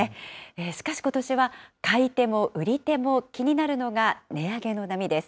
しかしことしは、買い手も売り手も気になるのが値上げの波です。